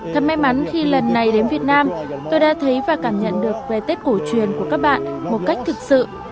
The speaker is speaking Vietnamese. thật may mắn khi lần này đến việt nam tôi đã thấy và cảm nhận được về tết cổ truyền của các bạn một cách thực sự